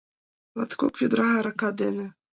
Латкок ведра арака дене